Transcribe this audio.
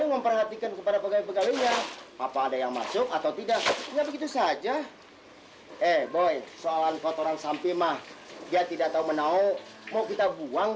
tapi kenapa penyakitmu lebih parah dari nanang